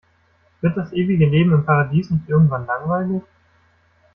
Wird das ewige Leben im Paradies nicht irgendwann langweilig?